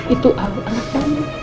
itu al anaknya